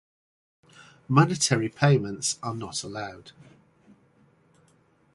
Monetary payments are not allowed.